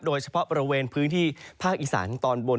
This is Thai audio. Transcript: โดยเฉพาะบริเวณพื้นที่ภาคอีสานตอนบน